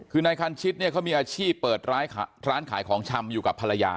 คือนายคันชิดเนี่ยเขามีอาชีพเปิดร้านขายของชำอยู่กับภรรยา